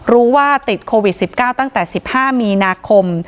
รู้ว่าติดโควิด๑๙ตั้งแต่๑๕มีนาคม